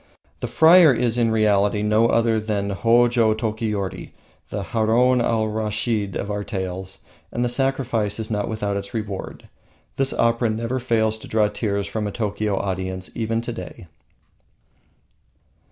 The friar is in reality no other than Hojo Tokiyori, the Haroun Al Raschid of our tales, and the sacrifice is not without its reward. This opera never fails to draw tears from a Tokio audience even to day.